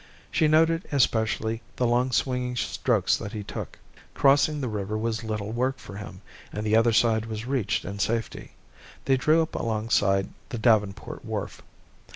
She noted especially, the long swinging strokes that he took. Crossing the river was little work for him, and the other side was reached in safety. They drew up alongside the Davenport wharf.